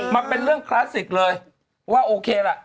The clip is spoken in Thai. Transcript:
มันเป็นเรื่องคลาสสิกเลยว่าโอเคล่ะ